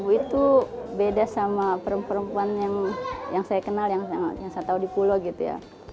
itu beda sama perempuan perempuan yang saya kenal yang saya tahu di pulau gitu ya